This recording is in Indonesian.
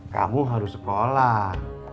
kamu harus sekolah